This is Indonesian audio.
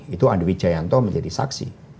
itu andwi jayanto menjadi saksi